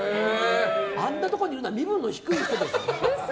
あんなところにいるのは身分の低い人ですよ。